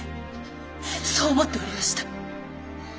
そう思っておりました。